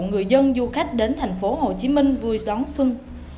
người dân du khách đến thành phố hồ chí minh vui đón xuân